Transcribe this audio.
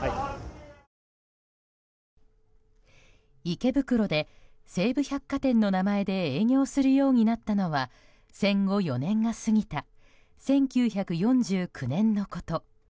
池袋で、西武百貨店の名前で営業するようになったのは戦後４年が過ぎた１９４９年のこと。